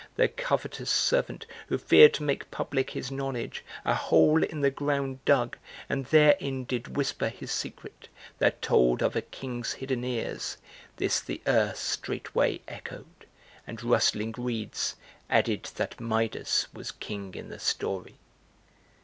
The covetous servant who feared to make public his knowledge A hole in the ground dug, and therein did whisper his secret That told of a king's hidden ears: this the earth straightway echoed, And rustling reeds added that Midas was king in the story.